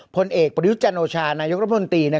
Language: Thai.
ผลเอกประยุจันโอชานายกรัฐมนตรี